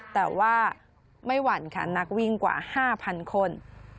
แต่ว่าไม่หวั่นค่ะนักวิ่งกว่า๕๐๐คน